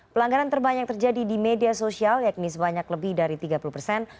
pelanggaran terbanyak terjadi di media sosial yakni sebanyak lebih dari tiga puluh persen